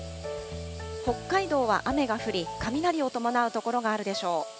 北海道は雨が降り、雷を伴う所があるでしょう。